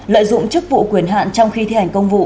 lợi dụng chức vụ quyền hạn trong khi thi hành công vụ